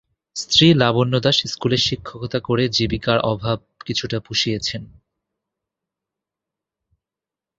স্ত্রী লাবণ্য দাশ স্কুলে শিক্ষকতা করে জীবিকার অভাব কিছুটা পুষিয়েছেন।